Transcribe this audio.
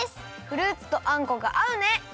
フルーツとあんこがあうね！